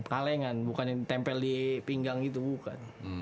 kalengan bukan yang tempel di pinggang gitu bukan